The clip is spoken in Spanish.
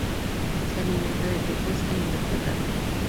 Se alimenta de peces e invertebrados.